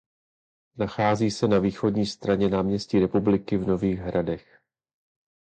Nachází se na východní straně náměstí Republiky v Nových Hradech.